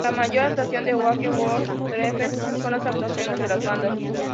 La mayor atracción de la Wave-Gotik-Treffen son las actuaciones de las bandas.